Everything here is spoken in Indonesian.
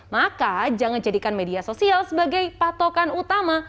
maka jangan jadikan media sosial sebagai patokan utama